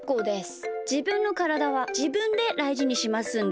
じぶんのからだはじぶんでだいじにしますんで。